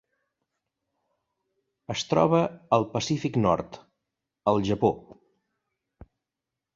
Es troba al Pacífic nord: el Japó.